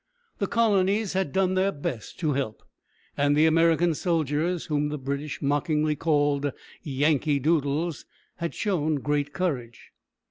The colonies had done their best to help, and the American soldiers, whom the British mockingly called "Yankee Doodles," had shown great courage.